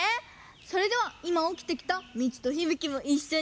それではいまおきてきたミチとヒビキもいっしょに。